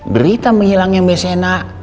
berita menghilangnya mba sena